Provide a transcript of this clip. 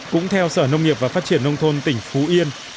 cũng theo sở nông nghiệp và phát triển nông thôn tỉnh phú yên